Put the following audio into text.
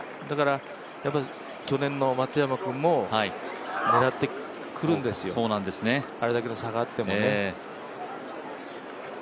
だからやっぱり去年の松山君も狙ってくるんですよ、あれだけの差があってもね。